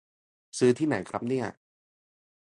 ซื้อที่ไหนครับเนี่ย